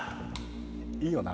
いいよな。